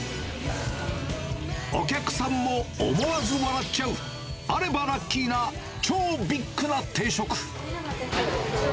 お客さんも思わず笑っちゃう、あればラッキーな超ビッグな定食。